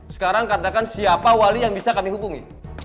sekarang katakan siapa wali yang bisa kami hubungi